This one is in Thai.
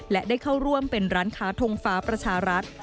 และได้เข้าร่วมเป็นร้านค้าทงฟ้าประชารัฐ